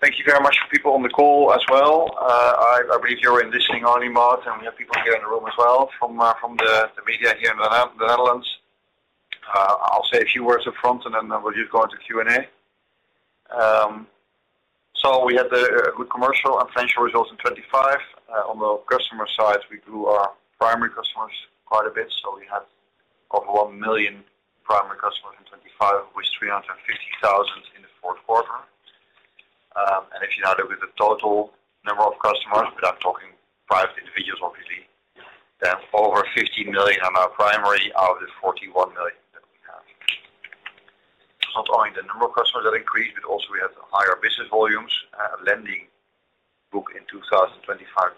Thank you very much for people on the call as well. I believe you're in listening only, Mark, and we have people here in the room as well from the media here in the Netherlands. I'll say a few words upfront, and then we'll just go into Q&A. So we had good commercial and financial results in 2025. On the customer side, we grew our primary customers quite a bit, so we had over 1 million primary customers in 2025, with 350,000 in the Q4. And if you now look at the total number of customers, but I'm talking private individuals, obviously, then over 15 million are now primary out of the 41 million that we have. It's not only the number of customers that increased, but also we had higher business volumes. Lending book in 2025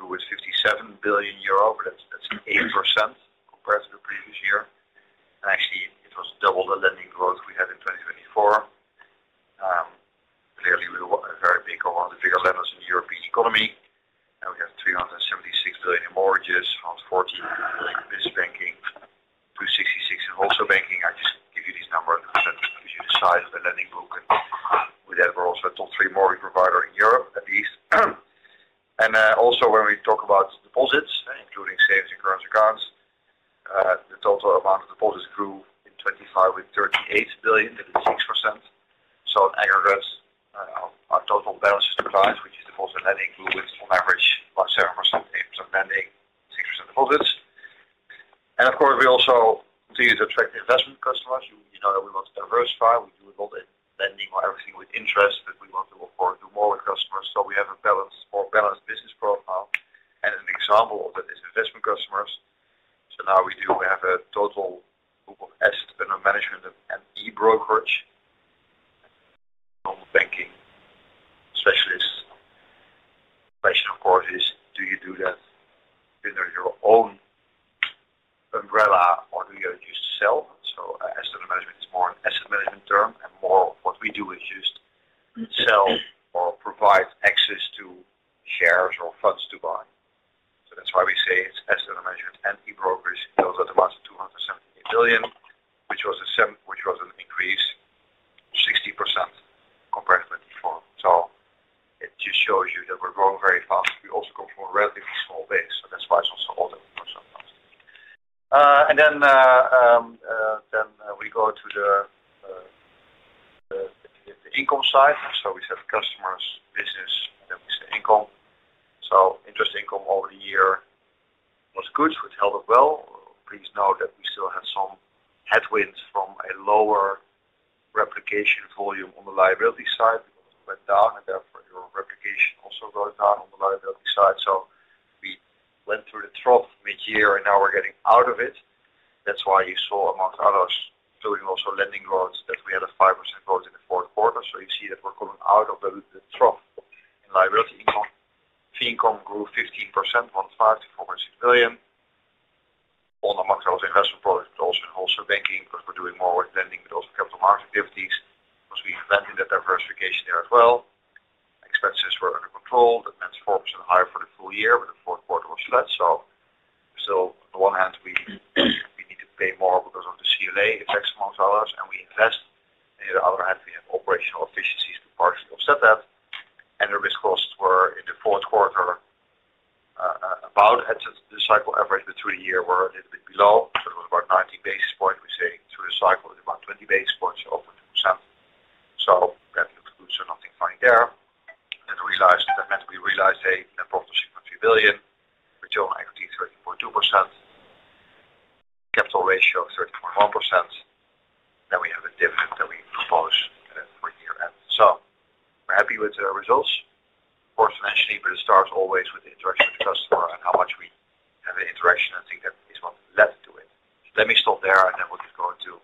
grew with 57 billion euro, but that's, that's 8% compared to the previous year. Actually, it was double the lending growth we had in 2024. Clearly, we were a very big one of the bigger lenders in the European economy, and we have 376 billion in mortgages, 140 billion in business banking, 266 billion in wholesale banking. I just give you these numbers because that gives you the size of the lending book. With that, we're also a top three mortgage provider in Europe, at least. Also when we talk about deposits, including savings and current accounts, the total amount of deposits grew in 2025 with 38 billion, that is 6%. In aggregate, our total balances to clients, which is deposit and lending, grew with, on average, about 7%, 8% lending, 6% deposits. Of course, we also continue to attract investment customers. You know that we want to diversify. We do a lot of lending or everything with interest, but we want to, of course, do more with customers. So we have a balanced, more balanced business profile. And an example of that is investment customers. So now we do, we have a total group of asset management and e-brokerage, normal banking specialists. The question, of course, is, do you do that under for the full year, but the Q4 was flat. So still, on the one hand, we need to pay more because of the CLA effects among others, and we invest. And on the other hand, we have operational efficiencies to partially offset that. And the risk costs were in the Q4, about at the cycle average, but through the year were a little bit below. So it was about 19 basis points, we say, through the cycle. It's about 20 basis points, so up 2%. So that looked good, so nothing funny there. Then we realized that meant we realized a net profit of EUR 6.3 billion, return on equity 13.2%, capital ratio of 30.1%. Then we have a dividend that we propose for year-end. So we're happy with the results. Of course, financially, but it starts always with the interaction with the customer and how much we have an interaction and think that it's what led to it. Let me stop there, and then we'll just go into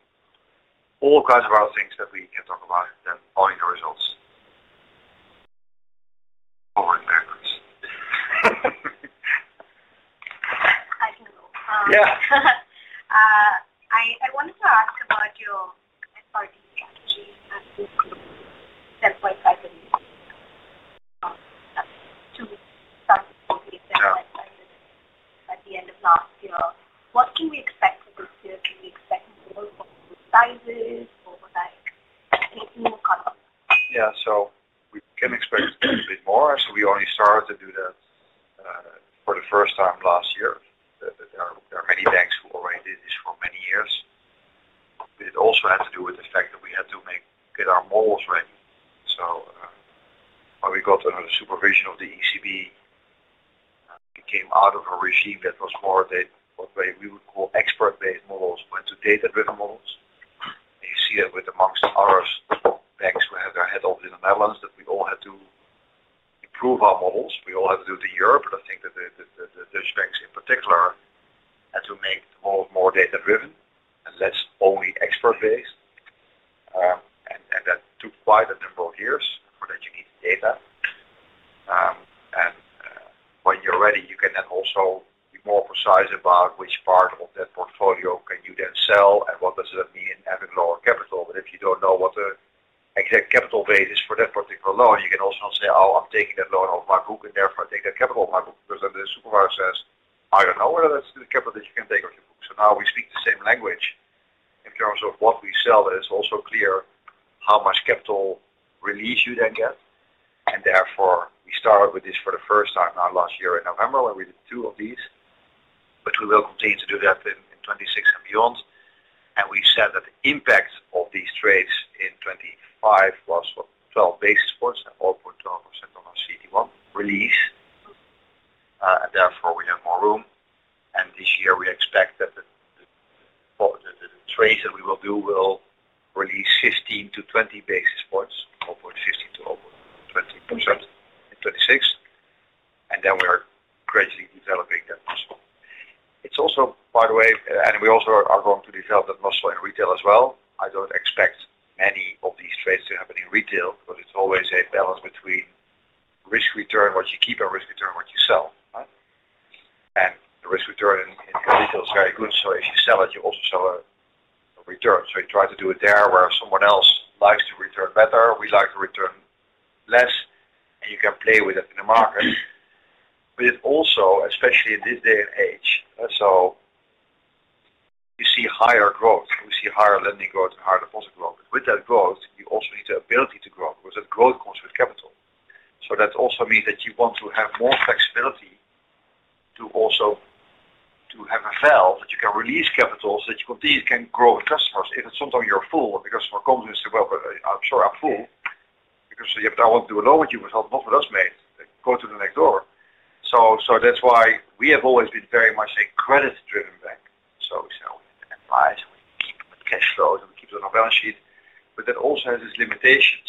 all kinds of other things that we can talk about, then only the results. Over in the background. I can go. Yeah. I wanted to ask about your SRT strategy and your growth. EUR 7.5 billion. Yeah. To EUR 7.8, EUR 7.5 billion at the end of last year. What can we expect for this year? Can we expect more from both sizes or, like, anything more coming? Yeah. So we can expect a bit more. So we only started to do that, for the first time last year. There are many banks who already did this for many years. But it also had to do with the fact that we had to make our models ready. So, when we got under the supervision of the ECB, we came out of a regime that was more they, what we would call expert-based models, went to data-driven models. And you see that with, among others, banks who have their head office in the Netherlands, that we all had to improve our models. We all had to do it in Europe, but I think that the Dutch banks in particular had to make the models more data-driven and less only expert-based. And that took quite a number of years for that. You need data. And when you're ready, you can then also be more precise about which part of that portfolio can you then sell and what does that mean in having lower capital. But if you don't know what the exact capital base is for that particular loan, you can also say, "Oh, I'm taking that loan off my book in there, so I take that capital off my book." Because then the supervisor says, "I don't know whether that's the capital that you can take off your book." So now we speak the same language in terms of what we sell. It's also clear how much capital release you then get. And therefore, we started with this for the first time now last year in November when we did 2 of these, but we will continue to do that in 2026 and beyond. And we said that the impact of these trades in 2025 was, what, 12 basis points and 0.2% on our CET1 release. And therefore we have more room. And this year we expect that the trades that we will do will release 15-20 basis points, 0.15%-0.20% in 2026. And then we're gradually developing that muscle. It's also, by the way, and we also are going to develop that muscle in retail as well. I don't expect many of these trades to happen in retail because it's always a balance between risk return, what you keep, and risk return, what you sell, right? And the risk return in retail is very good. So if you sell it, you also sell a return. So you try to do it there where someone else likes to return better. We like to return less, and you can play with it in the market. It also, especially in this day and age, so you see higher growth. We see higher lending growth and higher deposit growth. With that growth, you also need the ability to grow because that growth comes with capital. That also means that you want to have more flexibility to also have a valve that you can release capital so that you continue to grow with customers. If at some time you're full and the customer comes and says, "Well, I'm sorry, I'm full," because, "Yeah, but I want to do a loan with you," but not with us, mate. Go to the next door. So that's why we have always been very much a credit-driven bank. So we sell with NPIs, and we keep the cash flows, and we keep the non-balance sheet. But that also has its limitations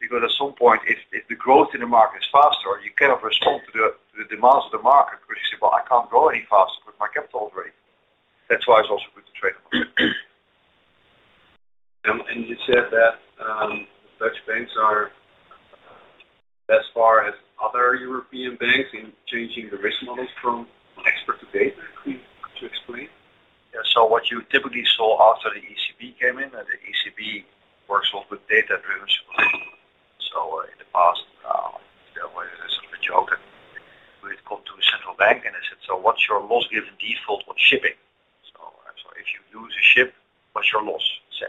because at some point, if the growth in the market is faster, you cannot respond to the demands of the market because you say, "Well, I can't grow any faster because my capital's already full." That's why it's also good to trade a little bit. You said that Dutch banks are, as far as other European banks, in changing the risk models from expert to data? Could you explain? Yeah. So what you typically saw after the ECB came in, the ECB works well with data-driven supply. So, in the past, there was a joke that when it come to a central bank, and they said, "So what's your loss given default on shipping?" So if you lose a ship, what's your loss? It's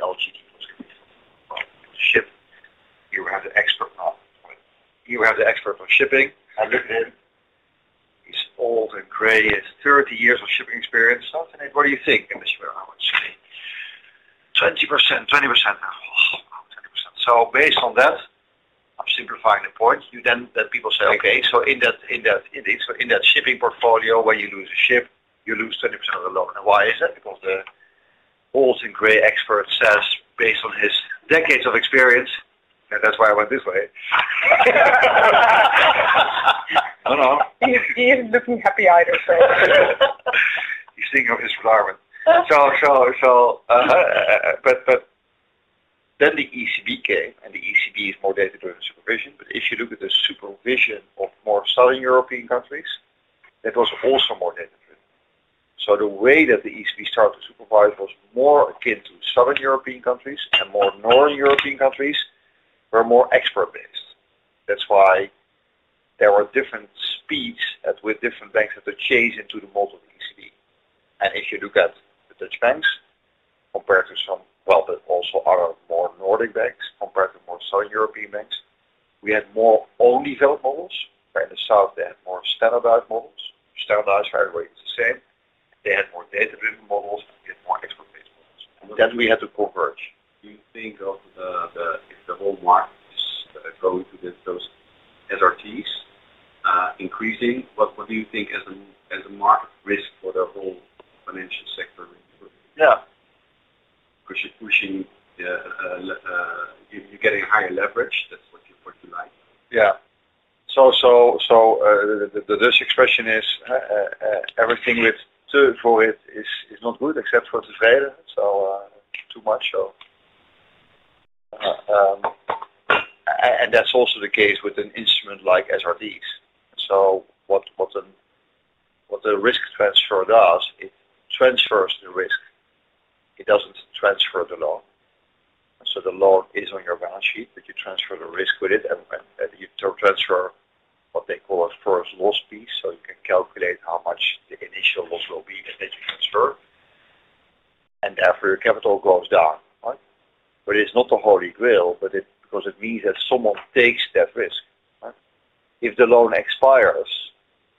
the LGD loss given default. Well, with the ship, you have the expert now. You have the expert on shipping. I looked at him. He's old and gray. He has 30 years of shipping experience. "So, Tanate, what do you think?" And they say, "Well, I would say 20%, 20%." I'm like, "Oh, wow, 20%." So based on that, I'm simplifying the point. You then let people say, "Okay, so in that shipping portfolio, when you lose a ship, you lose 20% of the loan." And why is that? Because the old and gray expert says, based on his decades of experience, and that's why I went this way. I don't know. He is, he is looking happy-eyed as well. He's thinking of his retirement. So, but then the ECB came, and the ECB is more data-driven supervision. But if you look at the supervision of more Southern European countries, that was also more data-driven. So the way that the ECB started to supervise was more akin to Southern European countries and more Northern European countries were more expert-based. That's why there were different speeds at which different banks had to chase into the model of the ECB. And if you look at the Dutch banks compared to some, well, that also are more Nordic banks compared to more Southern European banks, we had more only developed models. Where in the South, they had more standardized models. Standardized very, very much the same. They had more data-driven models, but we had more expert-based models. And then we had to converge. Do you think if the whole market is going to get those SRTs increasing, what do you think as a market risk for the whole financial sector? Yeah. Pushing, pushing, you're getting higher leverage. That's what you, what you like. Yeah. So, the Dutch expression is everything with too for it is not good except for too fed up. So, too much. And that's also the case with an instrument like SRTs. So what the risk transfer does, it transfers the risk. It doesn't transfer the loan. And so the loan is on your balance sheet, but you transfer the risk with it, and you transfer what they call a first loss piece, so you can calculate how much the initial loss will be that you transfer. And therefore your capital goes down, right? But it's not the Holy Grail, but because it means that someone takes that risk, right? If the loan expires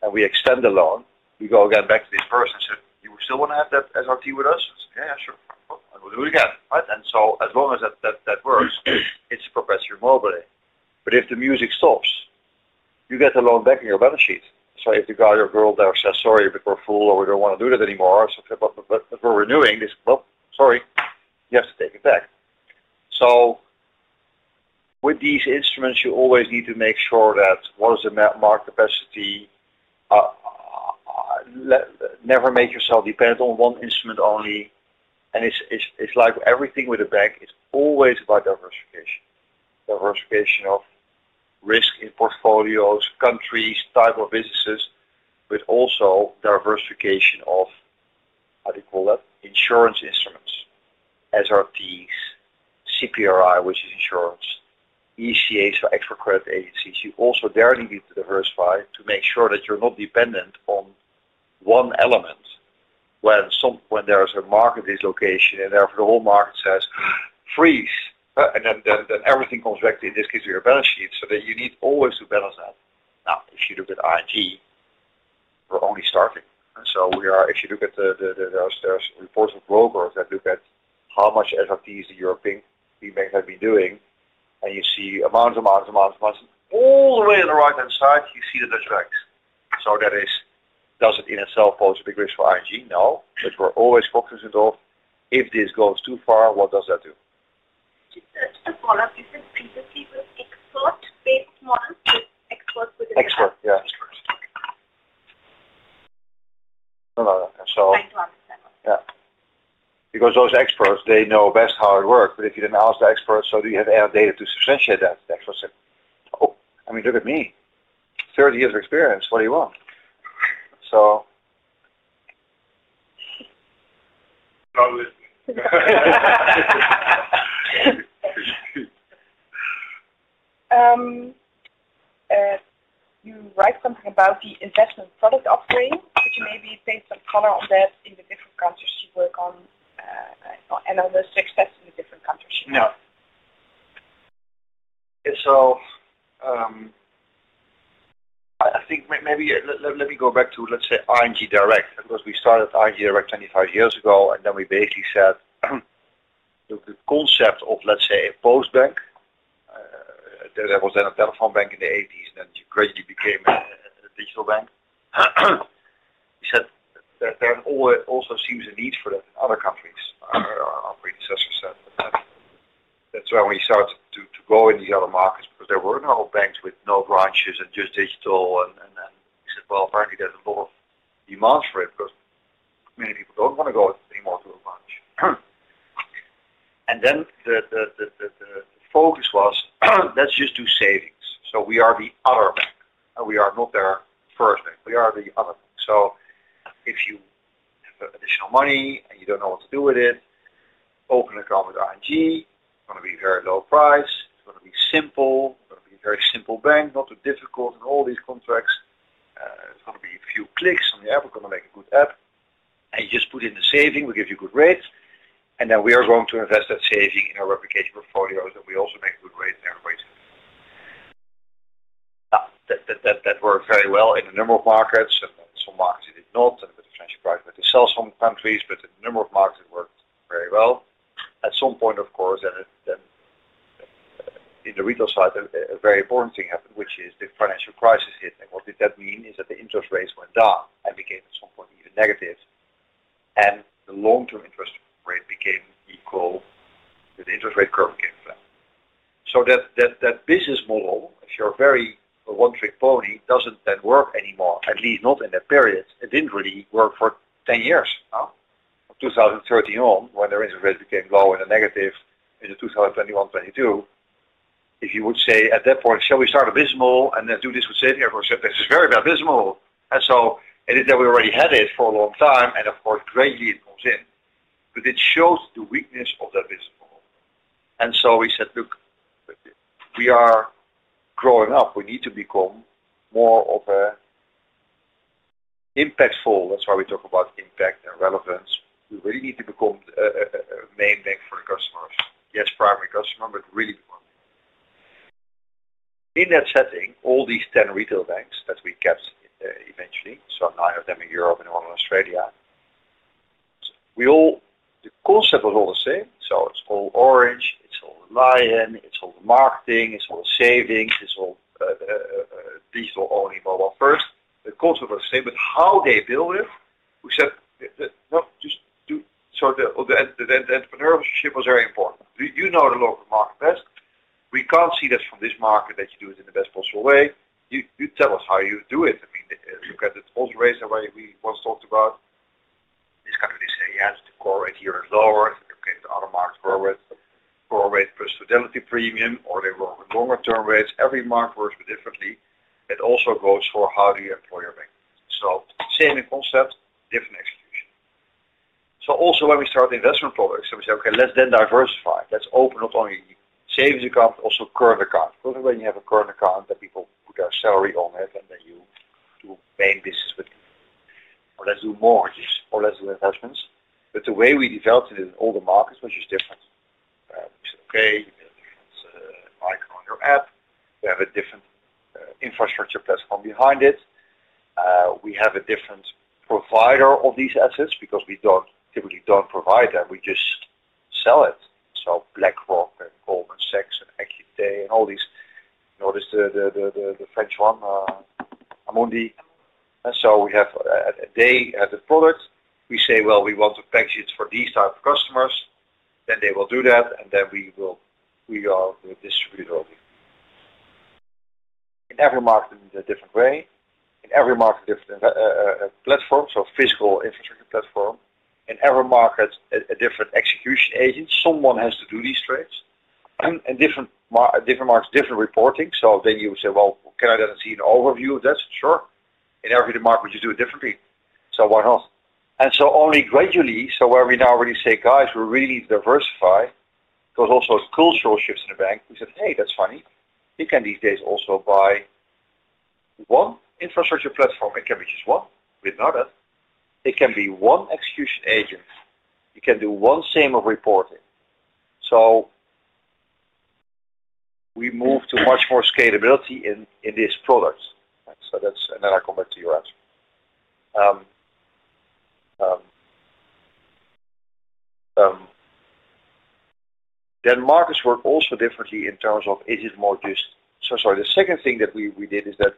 and we extend the loan, we go again back to this person and say, "You still want to have that SRT with us?" It's, "Yeah, yeah, sure." I will do it again, right? And so as long as that works, it's progressive mobility. But if the music stops, you get the loan back on your balance sheet. So if the guy or girl there says, "Sorry, we're full," or, "We don't want to do that anymore," or something, but what we're doing is, "Well, sorry, you have to take it back." So with these instruments, you always need to make sure that what is the market capacity, never make yourself dependent on one instrument only. And it's like everything with a bank is always about diversification. Diversification of risk in portfolios, countries, type of businesses, but also diversification of, how do you call that? Insurance instruments, SRTs, CPRI, which is insurance, ECAs, or export credit agencies. You also there need to diversify to make sure that you're not dependent on one element when there is a market dislocation, and therefore the whole market says, "Freeze," right? And then everything comes back to, in this case, to your balance sheet. So then you need always to balance that. Now, if you look at ING, we're only starting. And so we are, if you look at the, there's reports of brokers that look at how much SRTs the European big banks have been doing, and you see amounts, amounts, amounts, amounts, and all the way on the right-hand side, you see the Dutch banks. That is, does it in itself pose a big risk for ING? No. But we're always cognizant of if this goes too far, what does that do? It's a, it's a product. Is it basically with expert-based models or expert with the data? Expert, yeah. Expert, okay. No, no, no. So. Trying to understand what? Yeah. Because those experts, they know best how it works. But if you didn't ask the experts, "So do you have data to substantiate that?" The expert said, "Oh, I mean, look at me. 30 years of experience. What do you want?" So. Probably. You write something about the investment product offering. Could you maybe paint some color on that in the different countries you work on, and on the success in the different countries you work? Yeah. Okay. So, I think maybe let me go back to, let's say, ING Direct because we started ING Direct 25 years ago, and then we basically said the concept of, let's say, a Postbank, there was then a telephone bank in the 1980s, and then it gradually became a digital bank. We said that there always also seems a need for that in other countries, our predecessors said. That's why we started to go in these other markets because there were no banks with no branches and just digital. And we said, "Well, apparently there's a lot of demands for it because many people don't want to go anymore to a branch." And then the focus was, "Let's just do savings." So we are the other bank, and we are not their first bank. We are the other bank. So if you have additional money and you don't know what to do with it, open an account with ING. It's going to be very low price. It's going to be simple. It's going to be a very simple bank, not too difficult, and all these contracts. It's going to be a few clicks on the app. We're going to make a good app. And you just put in the saving. We give you good rates. And then we are going to invest that saving in our replication portfolios, and we also make a good rate in every way. Now, that, that, that worked very well in a number of markets, and some markets it did not, and with the financial crisis, they sell some countries, but in a number of markets it worked very well. At some point, of course, then, in the retail side, a very important thing happened, which is the financial crisis hit. And what did that mean? Is that the interest rates went down and became at some point even negative, and the long-term interest rate became equal to the interest rate curve came flat. So that, that business model, if you're a very one-trick pony, doesn't then work anymore, at least not in that period. It didn't really work for 10 years, huh? From 2013 on, when their interest rates became low and negative in 2021, 2022, if you would say at that point, "Shall we start a business model and then do this with saving?" Everyone said, "This is very bad business model." And so and it's that we already had it for a long time, and of course, gradually it comes in. But it shows the weakness of that business model. And so we said, "Look, we are growing up. We need to become more of a impactful." That's why we talk about impact and relevance. We really need to become a main bank for the customers. Yes, primary customer, but really become a main bank. In that setting, all these 10 retail banks that we kept, eventually, so 9 of them in Europe and 1 in Australia, we all the concept was all the same. So it's all orange. It's all lion. It's all the marketing. It's all the savings. It's all digital only, blah, blah, blah. First, the concept was the same, but how they build it, we said, "No, just do." So the entrepreneurship was very important. You know the local market best. We can't see this from this market that you do it in the best possible way. You, you tell us how you do it. I mean, look at the total rates, the way we once talked about. This company says, "Yeah, the core rate here is lower." They look at other markets for a rate, core rate plus fidelity premium, or they work with longer-term rates. Every market works a bit differently. It also goes for how do you employ your bank. So same in concept, different execution. So also when we start investment products, then we say, "Okay, let's then diversify. Let's open not only savings account but also current account." Because when you have a current account, then people put their salary on it, and then you do main business with it. Or let's do mortgages or let's do investments. But the way we developed it in all the markets was just different. We said, "Okay, you need a different icon on your app. We have a different infrastructure platform behind it. We have a different provider of these assets because we don't typically provide that. We just sell it." So BlackRock and Goldman Sachs and Architas and all these. You know, there's the French one, Amundi. And so we have, they have the product. We say, "Well, we want to package it for these types of customers." Then they will do that, and then we are the distributor of it. In every market, we need a different way. In every market, a different investment platform, so physical infrastructure platform. In every market, a different execution agent. Someone has to do these trades. And different markets, different reporting. So then you would say, "Well, can I then see an overview of this?" Sure. In every market, you do it differently. So why not? And so only gradually, so where we now really say, "Guys, we really need to diversify," there was also a cultural shift in the bank. We said, "Hey, that's funny. You can these days also buy one infrastructure platform. It can be just one. We've done that. It can be one execution agent. You can do one same of reporting." So we moved to much more scalability in, in this product. So that's and then I come back to your answer. Then markets work also differently in terms of is it more just so, so the second thing that we, we did is that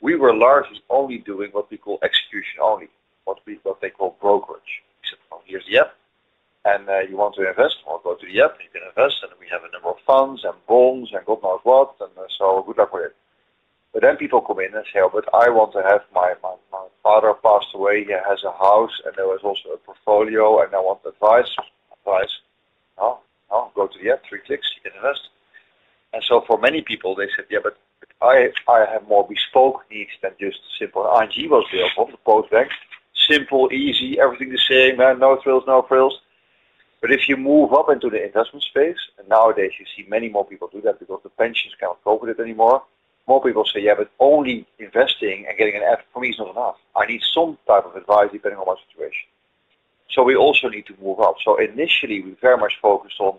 we were largely only doing what we call execution only, what we, what they call brokerage. We said, "Well, here's the app, and, you want to invest? Well, go to the app. You can invest." And we have a number of funds and bonds and God knows what. And so good luck with it. But then people come in and say, "Oh, but I want to have my, my, my father passed away. He has a house, and there was also a portfolio. And I want advice." Advice? "No, no. Go to the app. Three clicks. You can invest." And so for many people, they said, "Yeah, but, but I, I have more bespoke needs than just simple." ING was built on the Postbank. Simple, easy. Everything the same. Man, no frills, no frills. But if you move up into the investment space, and nowadays you see many more people do that because the pensions can't cope with it anymore, more people say, "Yeah, but only investing and getting an app for me is not enough. I need some type of advice depending on my situation." So we also need to move up. So initially, we very much focused on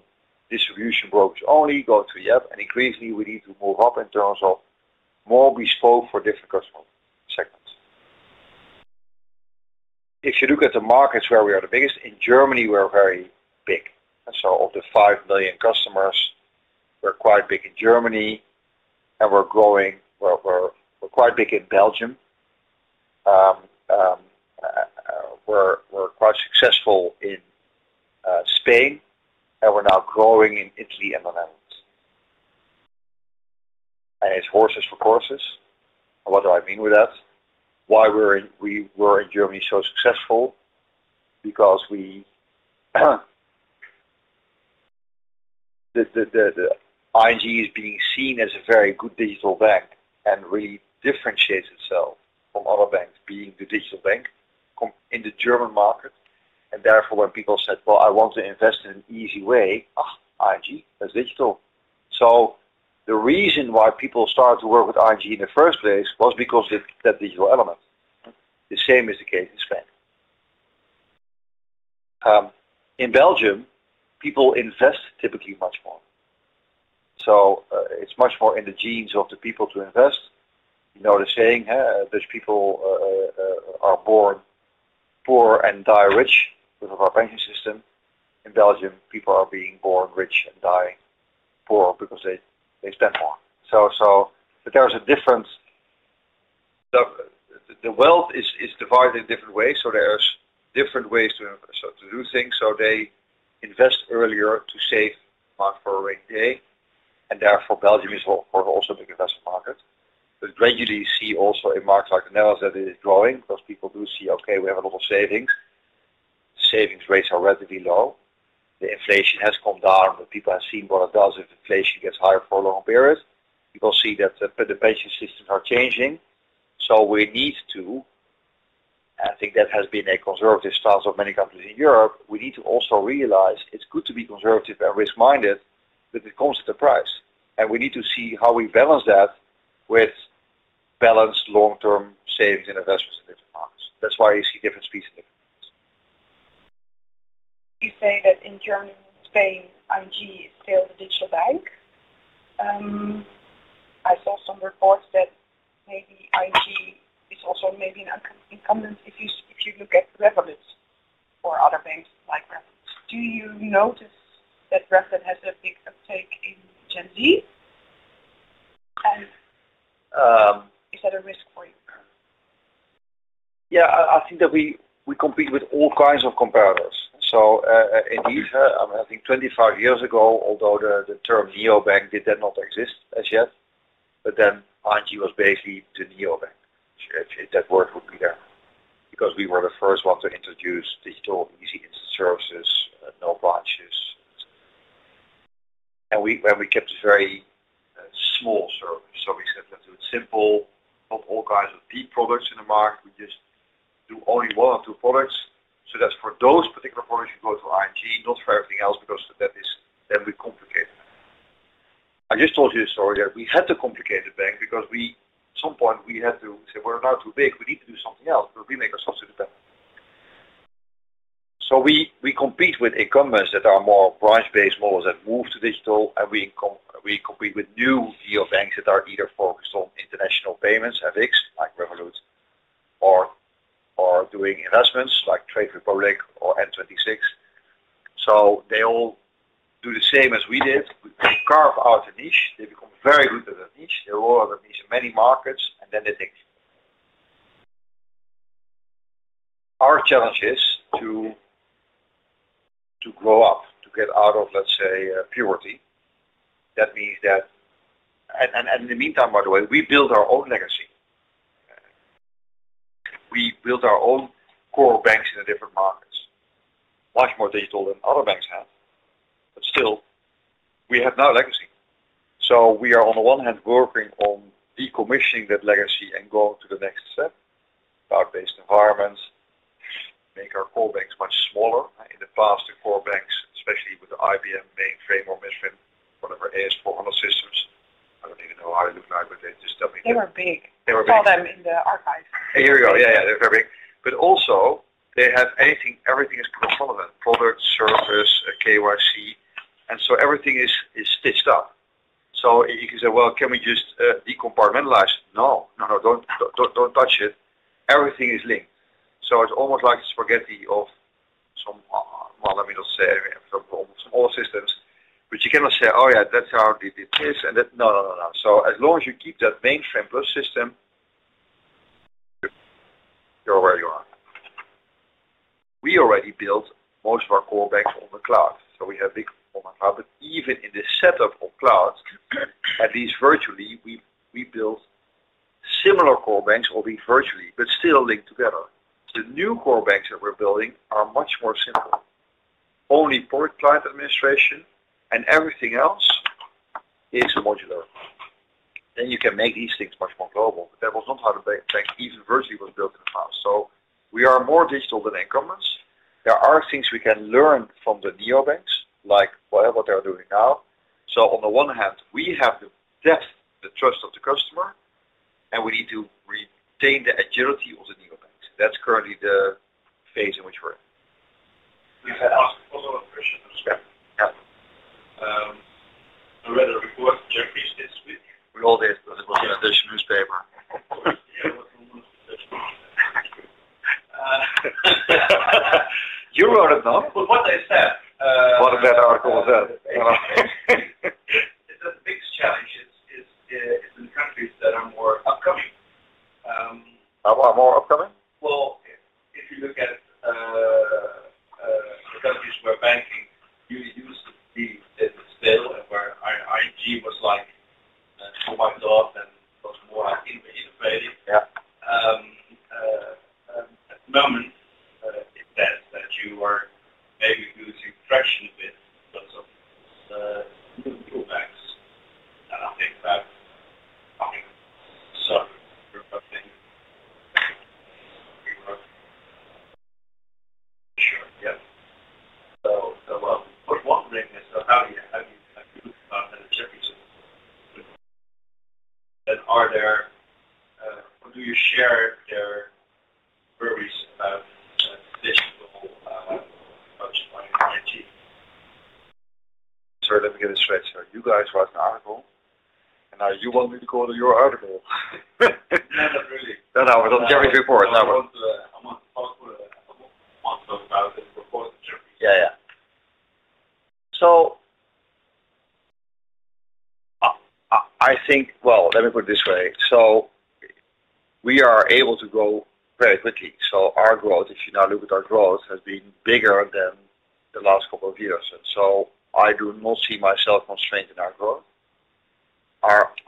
distribution brokers only, going to the app, and increasingly we need to move up in terms of more bespoke for different customer segments. If you look at the markets where we are the biggest, in Germany, we're very big. And so of the 5 million customers, we're quite big in Germany, and we're growing. We're quite big in Belgium. We're quite successful in Spain, and we're now growing in Italy and the Netherlands. And it's horses for courses. What do I mean with that? Why were we in Germany so successful? Because the ING is being seen as a very good digital bank and really differentiates itself from other banks being the digital bank in the German market. And therefore, when people said, "Well, I want to invest in an easy way," ING was digital. So the reason why people started to work with ING in the first place was because of that digital element. The same is the case in Spain. In Belgium, people invest typically much more. So, it's much more in the genes of the people to invest. You know the saying, huh? There are people born poor and die rich because of our pension system. In Belgium, people are being born rich and dying poor because they spend more. So there's a difference. The wealth is divided in different ways. So there's different ways to invest to do things. So they invest earlier to save for a rainy day. And therefore, Belgium is, of course, also a big investment market. But gradually you see also in markets like the Netherlands that it is growing because people do see, "Okay, we have a lot of savings." Savings rates are relatively low. The inflation has come down, but people have seen what it does if inflation gets higher for a long period. People see that the pension systems are changing. And I think that has been a conservative stance of many countries in Europe. We need to also realize it's good to be conservative and risk-minded, but it comes at a price. We need to see how we balance that with balanced long-term savings and investments in different markets. That's why you see different speeds in different markets. You say that in Germany and Spain, ING is still the digital bank. I saw some reports that maybe ING is also maybe an incumbent if you, if you look at Revolut or other banks like Revolut. Do you notice that Revolut has a big uptake in Gen Z? And is that a risk for you? Yeah. I think that we compete with all kinds of comparators. So, indeed, I mean, I think 25 years ago, although the term neobank did not exist as yet, but then ING was basically the neobank. If that word would be there because we were the first one to introduce digital easy instant services, no branches. And we kept it very small service. So we said, "Let's do it simple. Not all kinds of B products in the market. We just do only one or two products." So that's for those particular products you go to ING, not for everything else because that is then we complicate the bank. I just told you a story that we had to complicate the bank because we at some point had to say, "We're now too big. We need to do something else." But we make ourselves independent. So we compete with incumbents that are more branch-based models that move to digital, and we compete with new neobanks that are either focused on international payments, FX like Revolut, or doing investments like Trade Republic or N26. So they all do the same as we did. They carve out a niche. They become very good at that niche. They roll out that niche in many markets, and then they dig. Our challenge is to grow up, to get out of, let's say, puberty. That means, and in the meantime, by the way, we built our own legacy. We built our own core banks in different markets, much more digital than other banks have. But still, we have no legacy. So we are, on the one hand, working on decommissioning that legacy and going to the next step, cloud-based environments, make our core banks much smaller. In the past, the core banks, especially with the IBM mainframe or midrange or whatever it is, 400 systems, I don't even know how they look like, but they just tell me that. They were big. They were big. I saw them in the archive. Here you go. Yeah, yeah. They're very big. But also, they have anything, everything is cross-relevant: product, service, KYC. And so everything is stitched up. So you can say, "Well, can we just decompartmentalize?" No. No, no. Don't, don't, don't touch it. Everything is linked. So it's almost like spaghetti of some, well, let me not say, some all systems, but you cannot say, "Oh, yeah, that's how they did this," and that no, no, no, no. So as long as you keep that mainframe plus system, you're where you are. We already built most of our core banks on the cloud. So we have big on the cloud. But even in the setup of cloud, at least virtually, we built similar core banks all being virtually but still linked together. The new core banks that we're building are much more simple. Only product client administration and everything else is modular. Then you can make these things much more global. But that was not how the bank, even virtually, was built in the past. So we are more digital than incumbents. There are things we can learn from the neobanks, like whatever they're doing now. So on the one hand, we have to test the trust of the customer, and we need to retain the agility of the neobanks. That's currently the phase in which we're in. You can ask follow-up questions. Yeah. I read a report. Yeah. Just this week. We all did. It was in the Digital Newspaper. you wrote it, no? But what they said, What that article said. It's a big challenge. It's in the countries that are more upcoming. How are more upcoming? Well, if you look at the countries where banking really used the scale and where ING was like wiped out and was more innovating. Yeah. At the moment, it says that you are maybe losing traction a bit in terms of neobanks. I think that's something we're working on. Sure. Yeah. What I was wondering is, how do you have to talk about the differences? And do you share their worries about digital approach in 2019? Certainly, give it a straight. So you guys write an article, and now you want me to go to your article? No, not really. No, no. We're doing a German report. I want to talk about the report in Germany. Yeah, yeah. So I think well, let me put it this way. So we are able to grow very quickly. So our growth, if you now look at our growth, has been bigger than the last couple of years. And so I do not see myself constrained in our growth.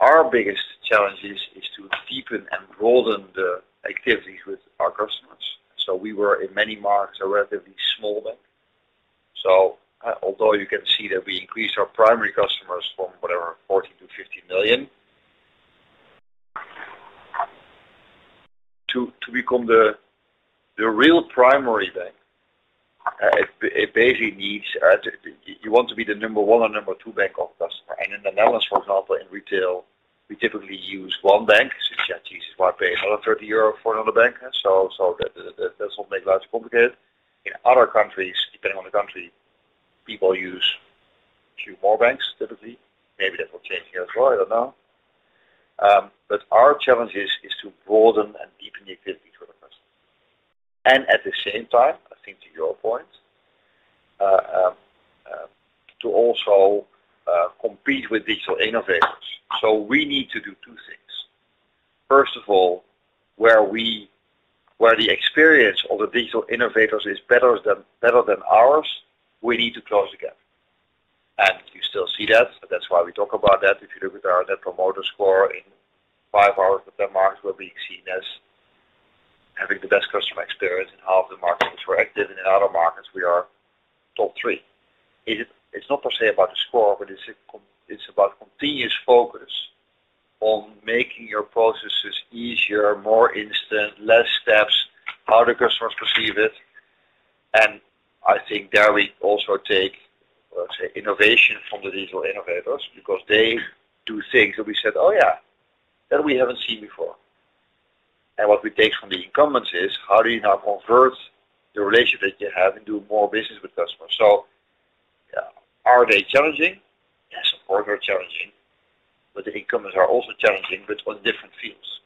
Our biggest challenge is to deepen and broaden the activities with our customers. So we were in many markets a relatively small bank. So, although you can see that we increased our primary customers from whatever, 40 to 50 million to become the real primary bank, it basically needs, you want to be the number one or number two bank of customers. And in the Netherlands, for example, in retail, we typically use one bank since you have to use wipe away another 30 euro for another bank, huh? So that does not make life complicated. In other countries, depending on the country, people use a few more banks typically. Maybe that will change here as well. I don't know. But our challenge is to broaden and deepen the activities with our customers. And at the same time, I think to your point, to also compete with digital innovators. So we need to do two things. First of all, where the experience of the digital innovators is better than ours, we need to close the gap. And you still see that. That's why we talk about that. If you look at our net promoter score in five hours within markets, we're being seen as having the best customer experience in half the markets that we're active in. In other markets, we are top three. It's not per se about the score, but it's about continuous focus on making your processes easier, more instant, less steps, how the customers perceive it. And I think there we also take, let's say, innovation from the digital innovators because they do things that we said, "Oh, yeah, that we haven't seen before." And what we take from the incumbents is, how do you now convert the relationship that you have and do more business with customers? So, are they challenging? Yes, of course, they're challenging. But the incumbents are also challenging, but on different fields.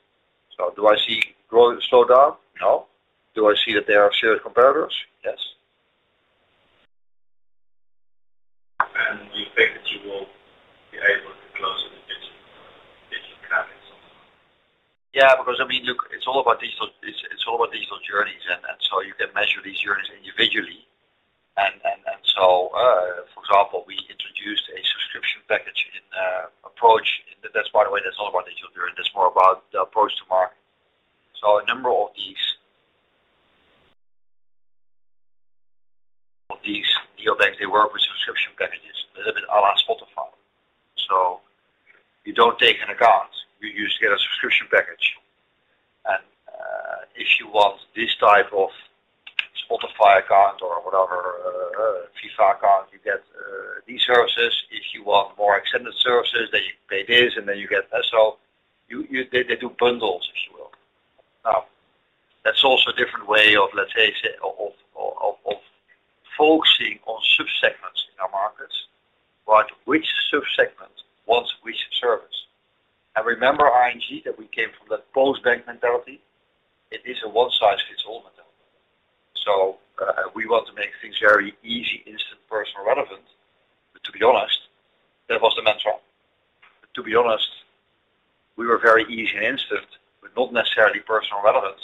So do I see growth slow down? No. Do I see that there are serious competitors? Yes. You think that you will be able to close in the digital, digital clients? Yeah. Because, I mean, look, it's all about digital. It's all about digital journeys. And so, for example, we introduced a subscription package approach. That's, by the way, not about digital journey. That's more about the approach to market. So a number of these neobanks work with subscription packages. A little bit à la Spotify. So you don't take an account. You just get a subscription package. And if you want this type of Spotify account or whatever, FIFA account, you get these services. If you want more extended services, then you pay this, and then you get that. So they do bundles, if you will. Now, that's also a different way of, let's say, focusing on subsegments in our markets, but which subsegment wants which service? And remember ING, that we came from that Postbank mentality? It is a one-size-fits-all mentality. So, we want to make things very easy, instant, personal, relevant. But to be honest, that was the mantra. But to be honest, we were very easy and instant, but not necessarily personal, relevant.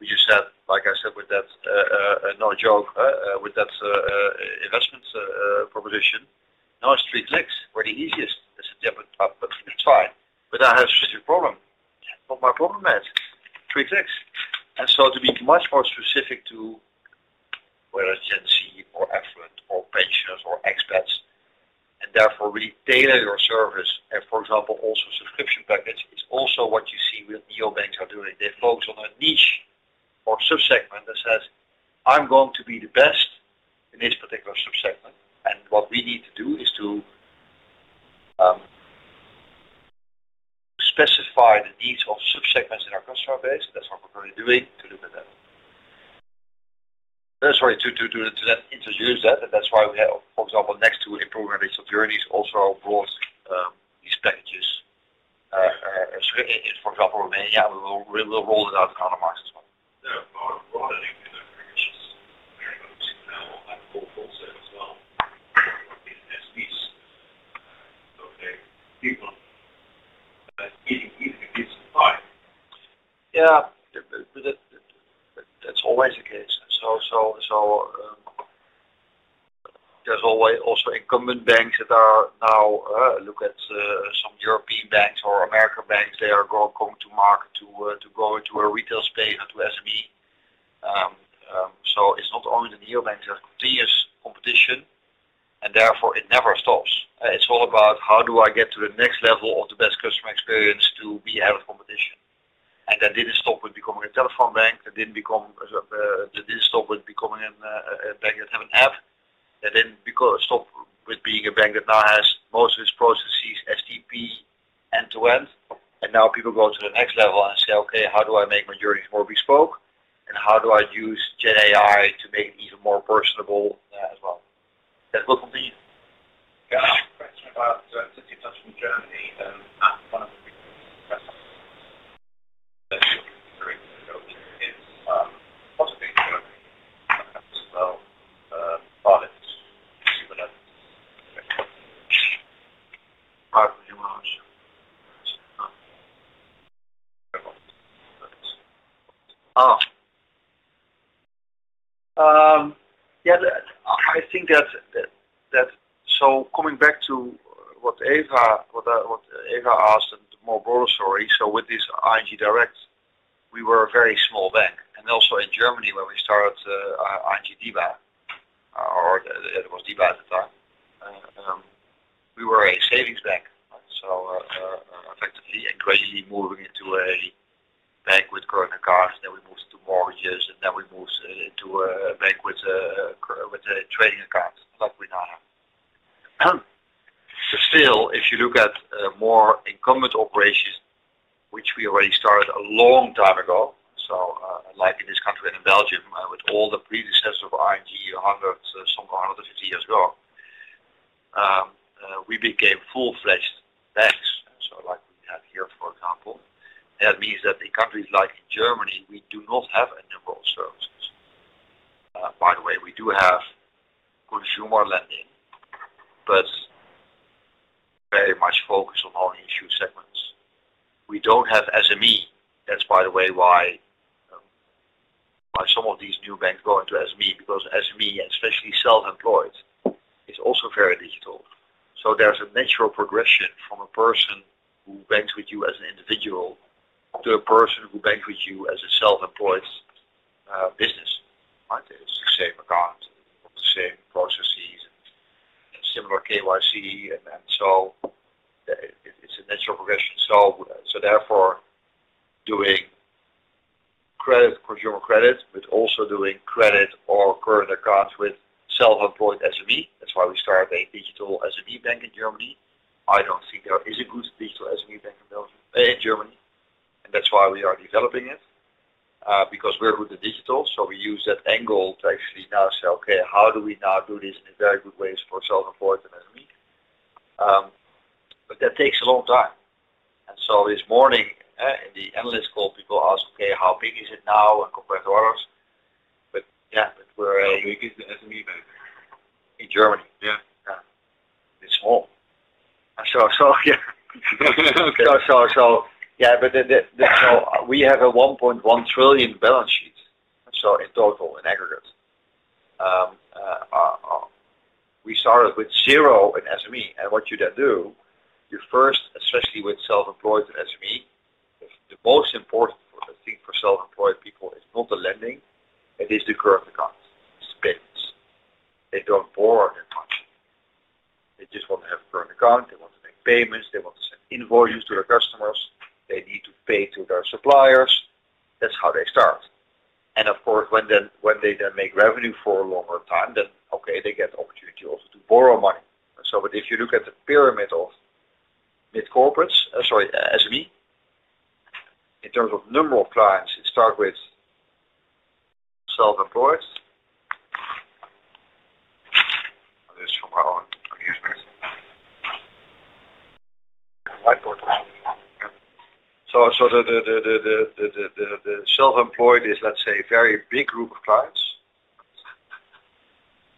We just said, like I said with that, not a joke, with that, investment, proposition, "No, it's three clicks. We're the easiest." It's a different type, but it's fine. But I have a specific problem. What's my problem with it? Three clicks. And so to be much more specific to whether it's Gen Z or affluent or pensioners or expats, and therefore really tailor your service, and for example, also subscription package, it's also what you see with neobanks are doing. They focus on a niche or subsegment that says, "I'm going to be the best in this particular subsegment." And what we need to do is to specify the needs of subsegments in our customer base. That's what we're currently doing to look at that. That's why to do that, to then introduce that. And that's why we have, for example, next to improving our digital journeys, also brought these packages; for example, Romania, we will roll it out in other markets as well. Yeah. Broadening the packages very much now at Gold Cards as well. In SBs, okay, people, even if it's fine. Yeah. But that's always the case. So there's always also incumbent banks that are now, look at, some European banks or American banks. They are going to market to go into a retail space and to SME. So it's not only the neobanks. There's continuous competition, and therefore it never stops. It's all about how do I get to the next level of the best customer experience to be ahead of competition? And that didn't stop with becoming a telephone bank. That didn't stop with becoming a bank that had an app. That didn't stop with being a bank that now has most of its processes STP end-to-end. And now people go to the next level and say, "Okay, how do I make my journeys more bespoke? And how do I use Gen AI to make it even more personable self-employed SME, that's why we started a digital SME bank in Germany. I don't think there is a good digital SME bank in Belgium, in Germany. And that's why we are developing it, because we're good with digital. So we use that angle to actually now say, "Okay, how do we now do this in a very good way for self-employed and SME?" but that takes a long time. And so this morning, in the analyst call, people asked, "Okay, how big is it now compared to others?" But yeah, but we're a. How big is the SME bank? In Germany? Yeah. Yeah. It's small. And so yeah. So we have a 1.1 trillion balance sheet, so in total in aggregate. We started with zero in SME. And what you then do, you first, especially with self-employed SME, the most important thing for self-employed people is not the lending. It is the current accounts. It's payments. They don't borrow that much. They just want to have a current account. They want to make payments. They want to send invoices to their customers. They need to pay to their suppliers. That's how they start. And of course, when they then make revenue for a longer time, then okay, they get the opportunity also to borrow money. And so, but if you look at the pyramid of mid-corporates, sorry, SME, in terms of number of clients, it starts with self-employed. I'll just for my own amusement. White board. Yeah. So, the self-employed is, let's say, a very big group of clients.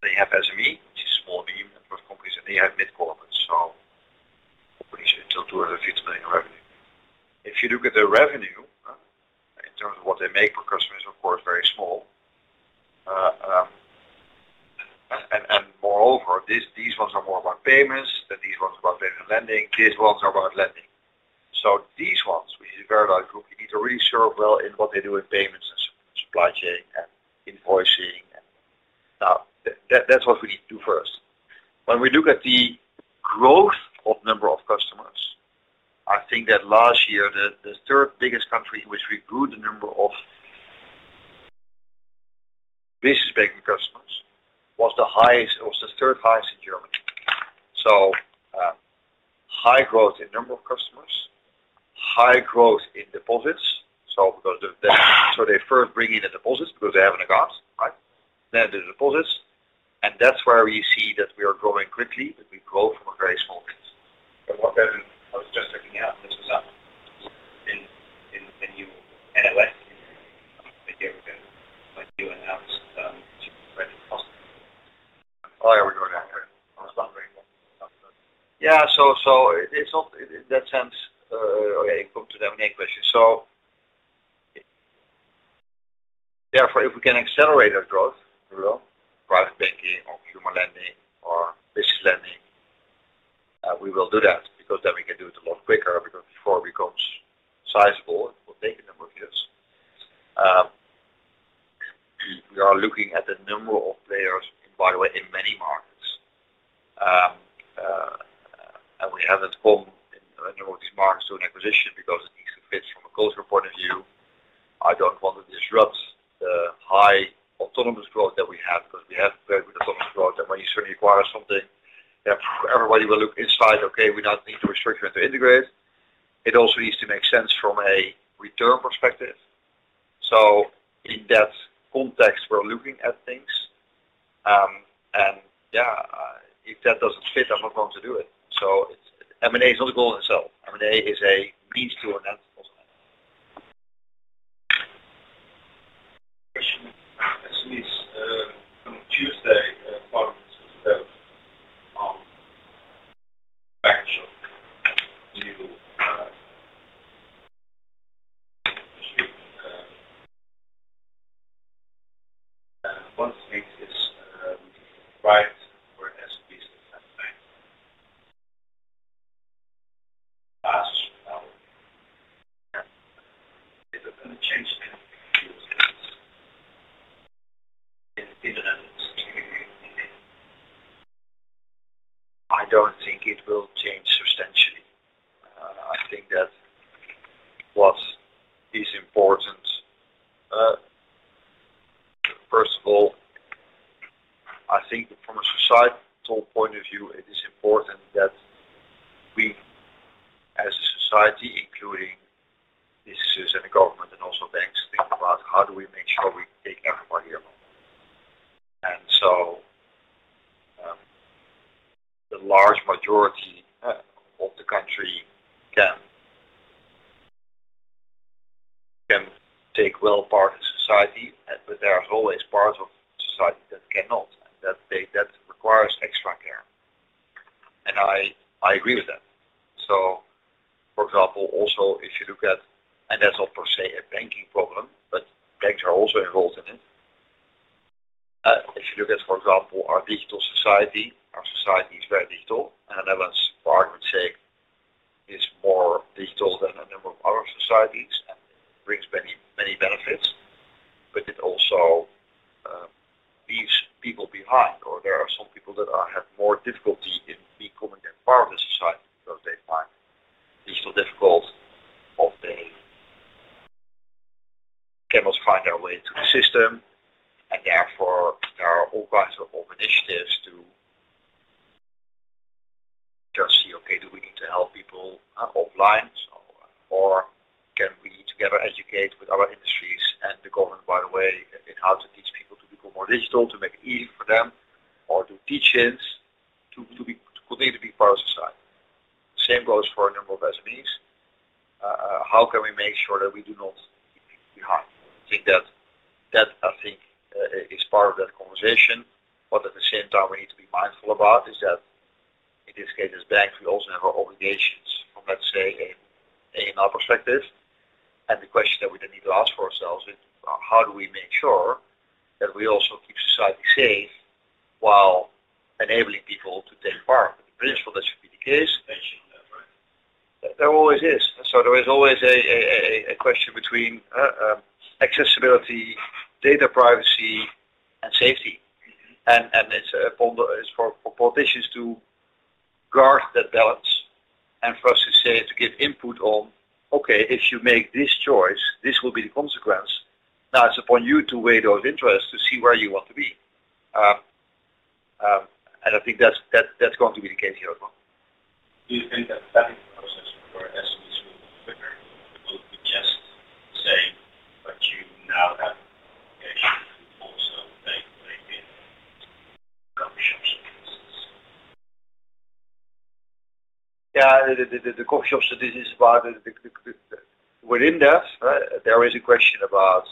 They have SME, which is small and medium companies, and they have mid-corporates. So companies until EUR 250 million in revenue. If you look at the revenue, in terms of what they make per customer, it's, of course, very small. And moreover, these ones are more about payments than these ones about payments and lending. These ones are about lending. So these ones, which is a very large group, you need to really serve well in what they do in payments and supply chain and invoicing. And now, that's what we need to do first. When we look at the growth of number of customers, I think that last year, the third biggest country in which we grew the number of business banking customers was the highest, was the third highest in Germany. So, high growth in number of customers, high growth in deposits. So because they first bring in the deposits because they have an account, right? Then the deposits. And that's where we see that we are growing quickly, but we grow from a very small base. But what I was just checking out, this was in your NLF in the European Union, when you announced to credit customers. Oh, yeah, we're going after it. I was wondering. Yeah. So, so it's not in that sense, going to the M&A question. So therefore, if we can accelerate our growth, we will. Private banking or consumer lending or business lending, we will do that because then we can do it a lot quicker because before it becomes sizable, it will take a number of years. We are looking at the number of players, by the way, in many markets. And we haven't gone in a number of these markets to an acquisition because it needs to fit from a cultural point of view. I don't want to disrupt the high autonomous growth that we have because we have very good autonomous growth. And when you suddenly acquire something, everybody will look inside, "Okay, we now need to restructure and to integrate." It also needs to make sense from a return perspective. So in that context, we're looking at things. And yeah, if that doesn't fit, I'm not going to do it. So it's M&A is not a goal in itself. M&A is a means to an end. and it brings many, many benefits. But it also leaves people behind, or there are some people that have more difficulty in becoming a part of the society because they find digital difficult, or they cannot find their way into the system. And therefore, there are all kinds of initiatives to just see, "Okay, do we need to help people offline?" Or, "Can we together educate with other industries and the government, by the way, in how to teach people to become more digital, to make it easier for them, or do teach-ins to, to be, to continue to be part of society?" Same goes for a number of SMEs. How can we make sure that we do not keep people behind? I think that, that, I think, is part of that conversation. But at the same time, we need to be mindful about is that in this case, as banks, we also have our obligations from, let's say, a neobanks perspective. And the question that we then need to ask for ourselves is, "How do we make sure that we also keep society safe while enabling people to take part?" But in principle, that should be the case. You mentioned that, right? There always is. So there is always a question between accessibility, data privacy, and safety. And it's to ponder, it's for politicians to guard that balance and for us to say, to give input on, "Okay, if you make this choice, this will be the consequence. Now it's upon you to weigh those interests to see where you want to be." And I think that's going to be the case here as well. Do you think that planning process for SMEs will be quicker? Will it be just saying, "But you now have an application," and also they will be in coffee shops or businesses? Yeah. The coffee shops that this is about, within that, right, there is a question about,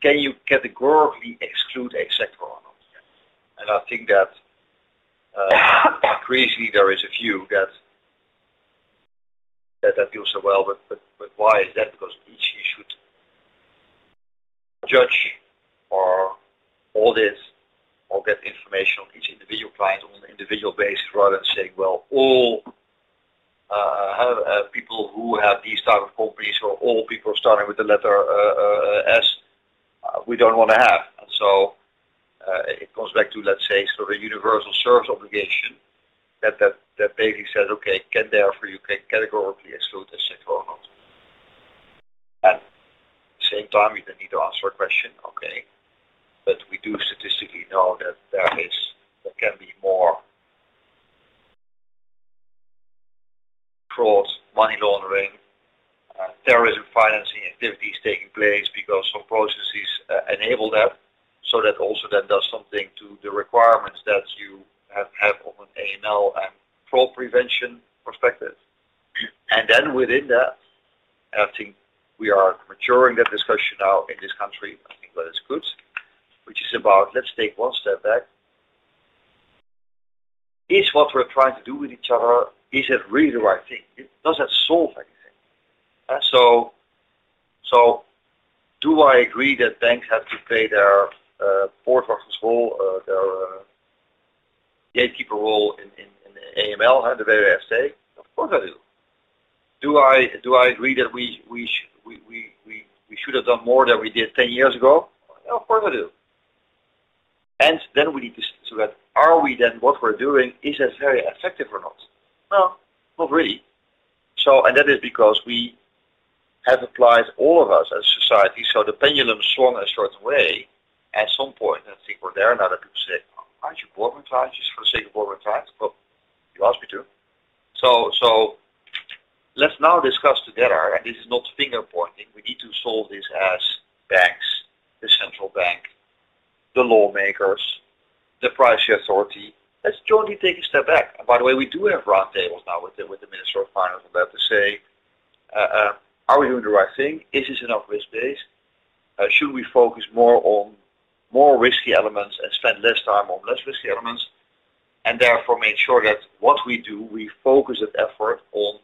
"Can you categorically exclude a sector or not?" And I think that, crazily there is a few that deal so well. But why is that? Because each should judge or audit or get information on each individual client on an individual basis rather than saying, "Well, all people who have these types of companies or all people starting with the letter S, we don't want to have." And so, it comes back to, let's say, sort of a universal service obligation that basically says, "Okay, can therefore you categorically exclude a sector or not?" And at the same time, you then need to answer a question, "Okay, but we do statistically know that there can be more fraud, money laundering, terrorism financing activities taking place because some processes enable that." So that also then does something to the requirements that you have on an AML and fraud prevention perspective. And then within that, I think we are maturing that discussion now in this country. I think that it's good, which is about, "Let's take one step back. Is what we're trying to do with each other, is it really the right thing? Does that solve anything?" So do I agree that banks have to play their forward-focused role, their gatekeeper role in AML, the Wwft? Of course I do. Do I agree that we should have done more than we did 10 years ago? Of course I do. And then we need to ask, "Are we then what we're doing, is that very effective or not?" Well, not really. So, and that is because we have applied all of us as a society. So the pendulum swung a certain way at some point. I think we're there now that people say, "Aren't you borrowing clients just for the sake of borrowing clients?" Well, you asked me to. So, so let's now discuss together, and this is not finger-pointing, we need to solve this as banks, the central bank, the lawmakers, the privacy authority. Let's jointly take a step back. And by the way, we do have round tables now with the, with the Minister of Finance and let us say, "Are we doing the right thing? Is this enough risk-based? Should we focus more on more risky elements and spend less time on less risky elements?" And therefore, make sure that what we do, we focus that effort on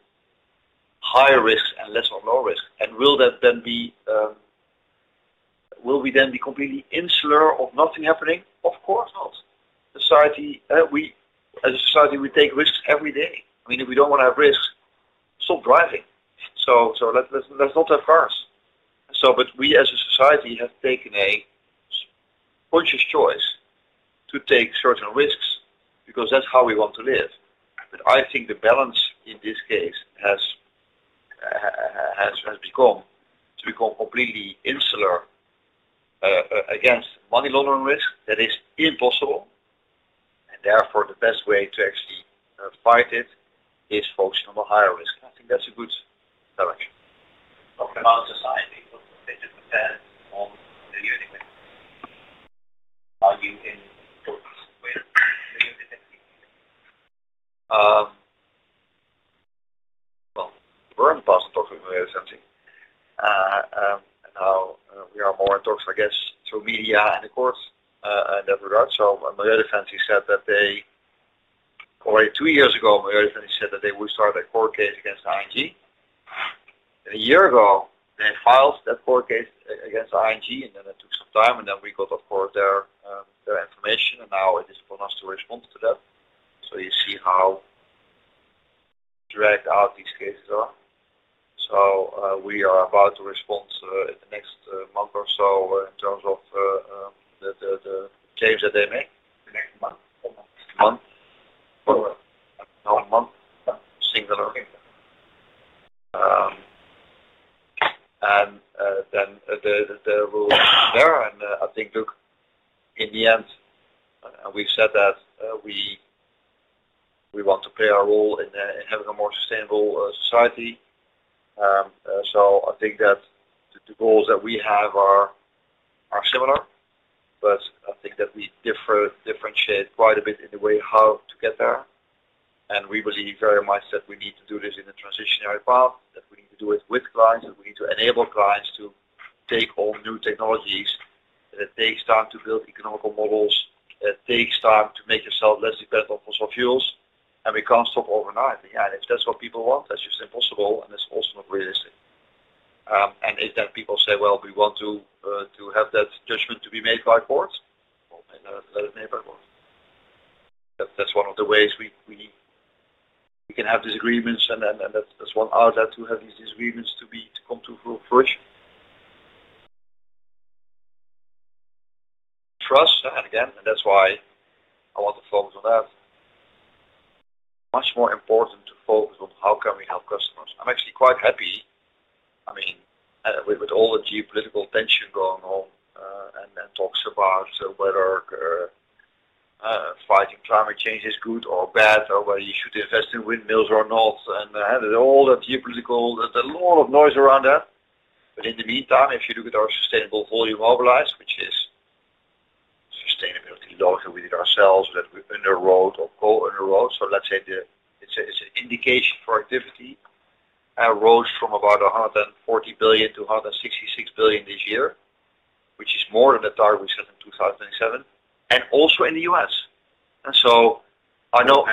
higher risks and less on lower risks. And will that then be, will we then be completely insular of nothing happening? Of course not. Society, we as a society, we take risks every day. I mean, if we don't want to have risks, stop driving. So, let's not have cars. But we as a society have taken a conscious choice to take certain risks because that's how we want to live. But I think the balance in this case has become completely insular against money laundering risk that is impossible. And therefore, the best way to actually fight it is focusing on the higher risk. And I think that's a good direction. Okay. How does society look when they do depend on the UN? Are you in talking with the UN definitely? Well, we're in the past talking with Milieudefensie. Now, we are more in talks, I guess, through media and the court, in that regard. So Milieudefensie has said that they already two years ago, Milieudefensie said that they will start a court case against ING. A year ago, they filed that court case against ING, and then it took some time, and then we got, of course, their information, and now it is upon us to respond to that. So you see how dragged out these cases are. So, we are about to respond, in the next month or so in terms of the claims that they make next month. A month? A month. What do you mean? A month, singular. Okay. And then the rules are there. And I think, look, in the end, we've said that we want to play our role in having a more sustainable society. So I think that the goals that we have are similar, but I think that we differentiate quite a bit in the way how to get there. And we believe very much that we need to do this in a transitionary path, that we need to do it with clients, that we need to enable clients to take on new technologies that takes time to build economical models, that takes time to make yourself less dependent on fossil fuels. And we can't stop overnight. Yeah, and if that's what people want, that's just impossible, and that's also not realistic. And if then people say, "Well, we want to have that judgment to be made by courts," well, maybe let it be made by courts. That's one of the ways we can have disagreements, and that's one outlet to have these disagreements to come to fruition. Trust, and again, that's why I want to focus on that. Much more important to focus on how we can help customers. I'm actually quite happy, I mean, with all the geopolitical tension going on, and talks about whether fighting climate change is good or bad, or whether you should invest in windmills or not. And there's all the geopolitical, there's a lot of noise around that. In the meantime, if you look at our sustainable volume mobilized, which is sustainability logic within ourselves, that we're underwriting or co-underwriting. So let's say it's an indication for activity, rose from about 140 billion to 166 billion this year, which is more than the target we set in 2007, and also in the US. And so I know.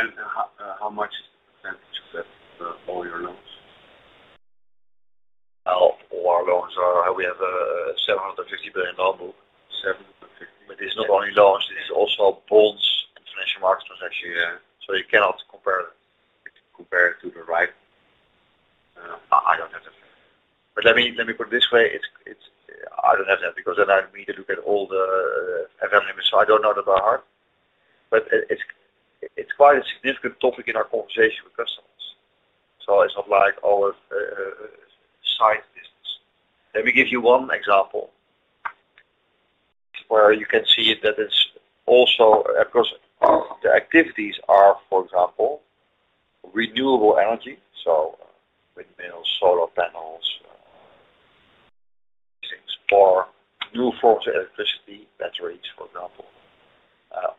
How much is the percentage of that, all your loans? Well, all our loans are, we have a 750 billion loan book. 750? But it's not only loans. It is also bonds and financial market transactions. Yeah. So you cannot compare that. You can compare it to the right, I don't have that. But let me put it this way. It's, I don't have that because then I need to look at all the FM limits. So I don't know that by heart. But it's quite a significant topic in our conversation with customers. So it's not like, "Oh, side business." Let me give you one example where you can see that it's also because the activities are, for example, renewable energy. So, windmills, solar panels, things for new forms of electricity, batteries, for example,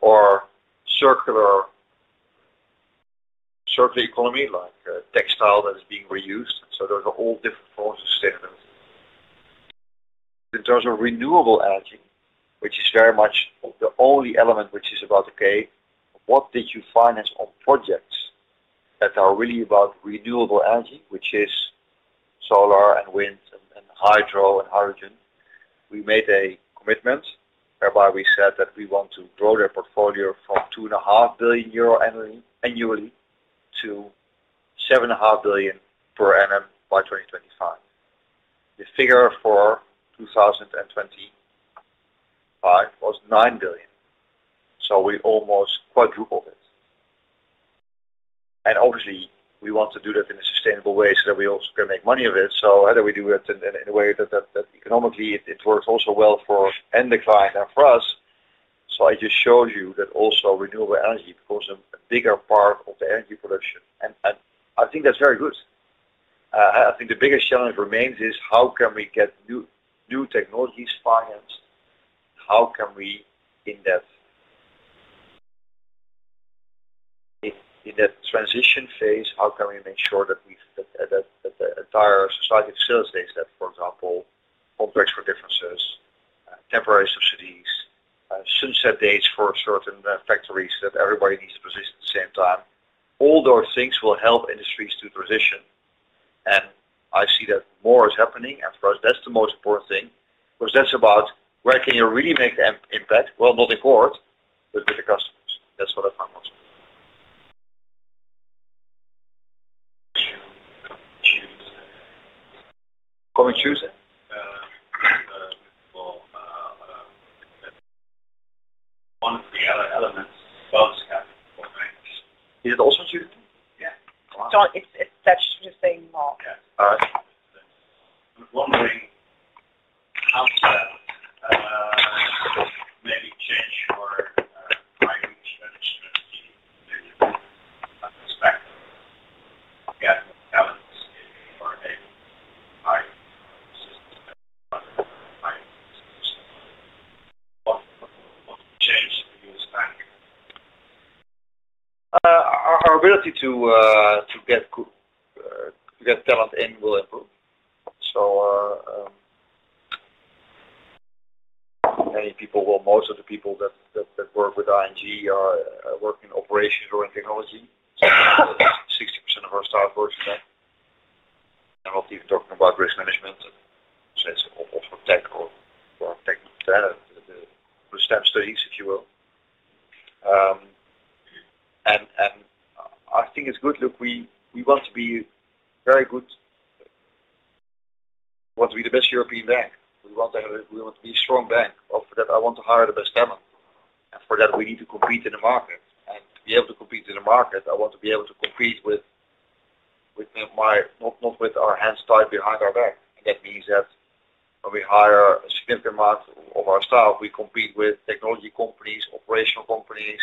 or circular economy like textile that is being reused. So those are all different forms of sustainability. In terms of renewable energy, which is very much the only element which is about, "Okay, what did you finance on projects that are really about renewable energy, which is solar and wind and hydro and hydrogen?" We made a commitment whereby we said that we want to grow their portfolio from 2.5 billion euro annually to 7.5 billion per annum by 2025. The figure for 2025 was 9 billion. So we almost quadrupled it. And obviously, we want to do that in a sustainable way so that we also can make money of it. So how do we do it in a way that economically it works also well for the client and for us? So I just showed you that also renewable energy becomes a bigger part of the energy production. And I think that's very good. I think the biggest challenge remains is how can we get new technologies financed? How can we, in that transition phase, how can we make sure that the entire society facilitates that? For example, contracts for differences, temporary subsidies, sunset dates for certain factories that everybody needs to position at the same time. All those things will help industries to transition. And I see that more is happening. And for us, that's the most important thing because that's about where can you really make the impact? Well, not in court, but with the customers. That's what I find most important. June, June 2nd. Coming Tuesday? Well, one of the elements does have to be coordinated. Is it also due to? Yeah. What? It's all, it's such a strange thing, Mark. Yeah. I'm wondering how does that maybe change your hiring strategy that you expect to get talent in or able to hire consistent talent? What changed in the US bank? Our ability to get talent in will improve. So, most of the people that work with ING work in operations or in technology. So 60% of our staff works in that. And not even talking about risk management, say, so of tech or tech the STEM studies, if you will. And I think it's good. Look, we want to be very good. We want to be the best European bank. We want to have a we want to be a strong bank. Of that, I want to hire the best talent. And for that, we need to compete in the market. To be able to compete in the market, I want to be able to compete with, not with our hands tied behind our back. That means that when we hire a significant amount of our staff, we compete with technology companies, operational companies,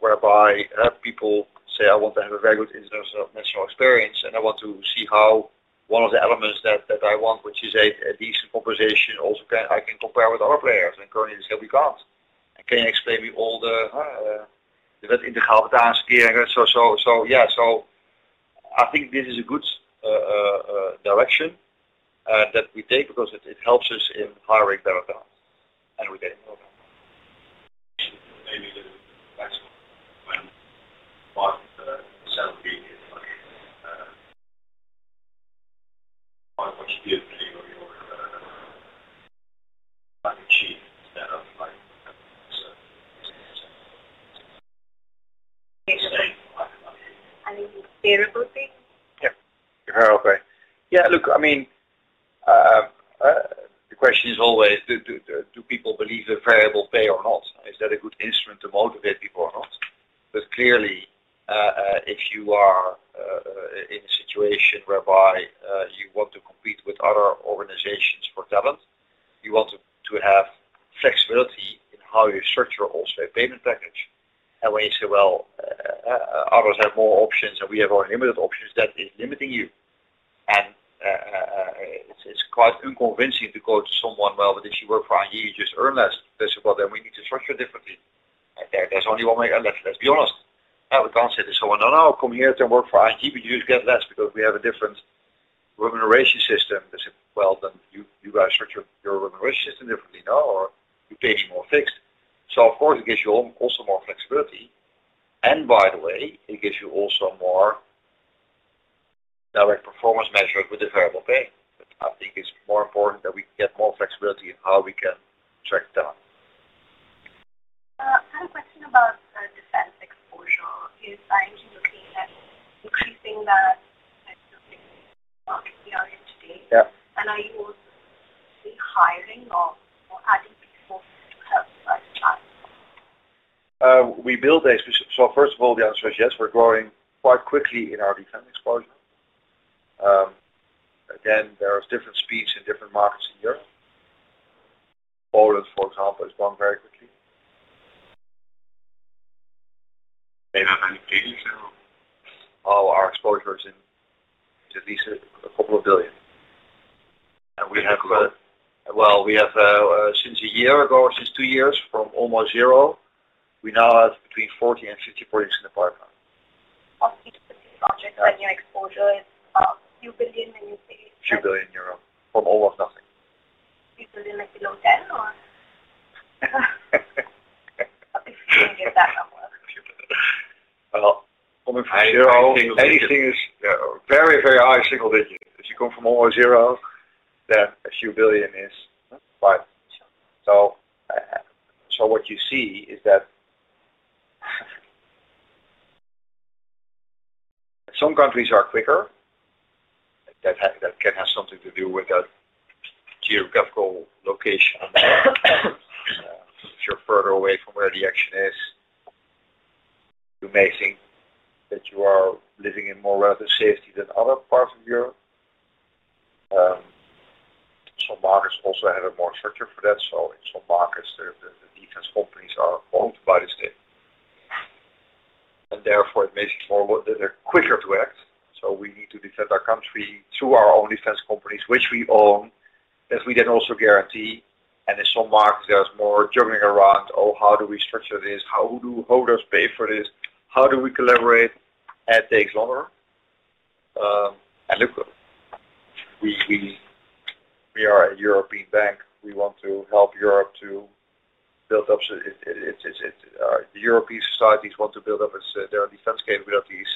whereby people say, "I want to have a very good international experience, and I want to see how one of the elements that I want, which is a decent compensation, also I can compare with our players." Currently, they say, "We can't." Can you explain to me all that integrale vitalisering? So, yeah. I think this is a good direction that we take because it helps us in hiring better talent and retaining more talent. Maybe the next one, when WNT is like, how much do you pay your bank chief instead of, like, the CEO? I think it's variable pay. Yeah. You heard, okay. Yeah. Look, I mean, the question is always, do people believe in variable pay or not? Is that a good instrument to motivate people or not? But clearly, if you are in a situation whereby you want to compete with other organizations for talent, you want to have flexibility in how you structure also a payment package. And when you say, "Well, others have more options and we have only limited options," that is limiting you. And it's quite unconvincing to go to someone, "Well, but if you work for ING, you just earn less." They say, "Well, then we need to structure it differently." And there, there's only one way. And let's be honest. We can't say to someone, "No, no, come here. Don't work for ING, but you just get less because we have a different remuneration system." They say, "Well, then you, you guys structure your remuneration system differently, no? Or you pay me more fixed." So, of course, it gives you also more flexibility. And by the way, it gives you also more direct performance measures with the variable pay. But I think it's more important that we get more flexibility in how we can attract talent. I had a question about defense exposure. Is ING looking at increasing that? That you're doing in the market we are in today. Yeah. Are you also hiring or adding people to help you guys plan? First of all, the answer is yes. We're growing quite quickly in our defense exposure. Again, there are different speeds in different markets in Europe. Poland, for example, has gone very quickly. Maybe I have any pages or? Oh, our exposure is at least 2 billion. We have grown. That's good. Well, we have, since a year ago, since 2 years, from almost 0, we now have between 40 and 50 projects in the pipeline. On each of these projects, I knew exposure is about 2 billion when you say. 2 billion euro from almost nothing. 2 billion, like below 10 or? If you can get that number. Well, coming from zero. I think. Anything is very, very high single digit. If you come from almost zero, then a few billion is, right? Sure. So what you see is that some countries are quicker. That can have something to do with that geographical location. If you're further away from where the action is, you may think that you are living in more relative safety than other parts of Europe. Some markets also have more structure for that. So in some markets, the defense companies are owned by the state. And therefore, it makes it more that they're quicker to act. So we need to defend our country through our own defense companies, which we own, that we then also guarantee. And in some markets, there's more juggling around, "Oh, how do we structure this? How do we pay for this? How do we collaborate?" And it takes longer. Look, we are a European bank. We want to help Europe to build up. So the European societies want to build up their defense capabilities.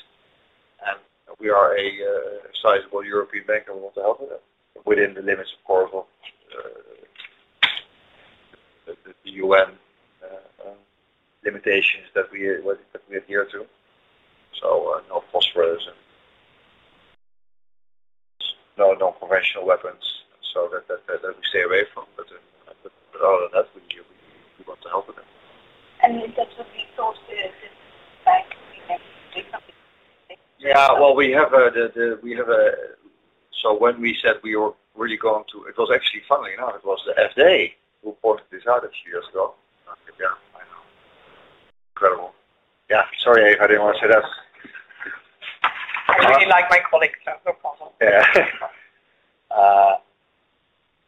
We are a sizable European bank, and we want to help with that within the limits, of course, of the UN limitations that we adhere to. So, no phosphorus and no conventional weapons, so that we stay away from. But other than that, we want to help with that. In terms of resources, is the bank doing anything differently? Yeah. Well, we have a so when we said we were really going to it was actually, funnily enough, it was the FD who reported this out a few years ago. Yeah. I know. Incredible. Yeah. Sorry, I didn't want to say that. I really like my colleagues. That's no problem. Yeah.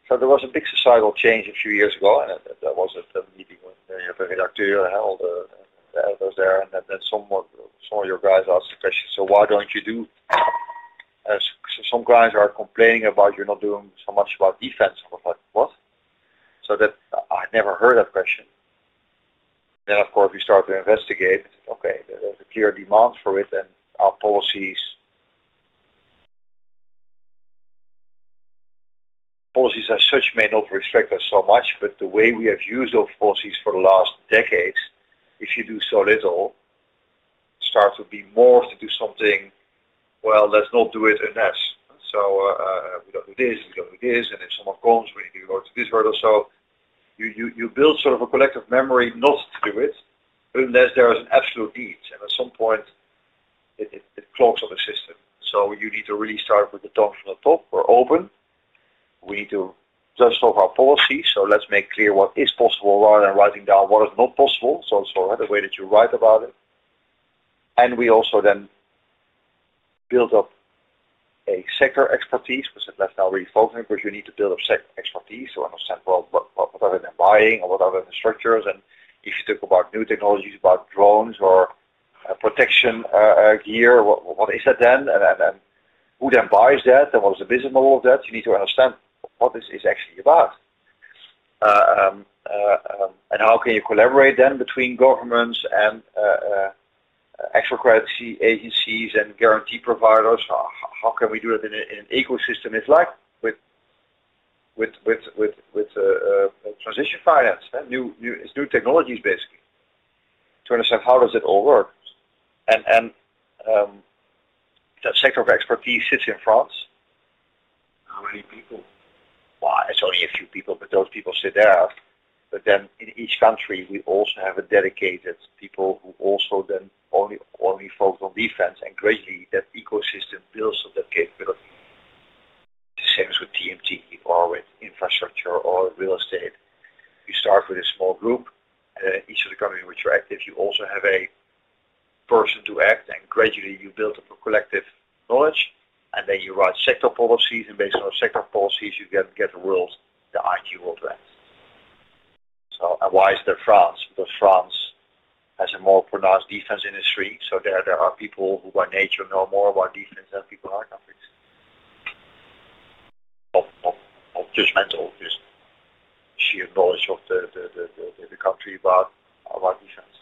So there was a big societal change a few years ago. And there was a meeting with the redacteur Het FD that was there. And then some of your guys asked the question, "So why don't you do?" Some guys are complaining about you're not doing so much about defense. I was like, "What?" So that I'd never heard that question. Then, of course, we started to investigate. Okay. There's a clear demand for it. And our policies, policies as such may not restrict us so much. But the way we have used those policies for the last decades, if you do so little, start to be more to do something, "Well, let's not do it unless." So, "We don't do this. We don't do this. And if someone comes, we need to go to this road or so." You build sort of a collective memory not to do it unless there is an absolute need. And at some point, it clogs up the system. So you need to really start with the top from the top. We're open. We need to just talk about policies. So let's make clear what is possible rather than writing down what is not possible. So right away that you write about it. And we also then build up a sector expertise because that's now really focusing because you need to build up sector expertise to understand, well, what are they buying or what are the structures. And if you talk about new technologies about drones or protection gear, what is that then? And who then buys that? What is the business model of that? You need to understand what this is actually about. And how can you collaborate then between governments and export credit agencies and guarantee providers? How can we do that in an ecosystem? It's like with transition finance, it's new technologies basically, to understand how does it all work? And that sector of expertise sits in France. How many people? Well, it's only a few people, but those people sit there. But then in each country, we also have a dedicated people who also then only focus on defense. And gradually, that ecosystem builds up that capability. The same as with TMT or with infrastructure or real estate. You start with a small group. Each of the countries which you're active, you also have a person to act. And gradually, you build up a collective knowledge. And then you write sector policies. And based on those sector policies, you get the ING world to act. So, why is there France? Because France has a more pronounced defense industry. So there are people who by nature know more about defense than people in other countries. Of judgment, just sheer knowledge of the country about defense. Any last questions? Thank you. Thank you.